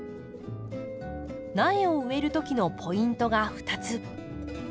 苗を植える時のポイントが２つ。